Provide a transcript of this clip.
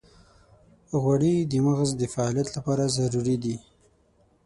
غوړې د مغز د فعالیت لپاره ضروري دي.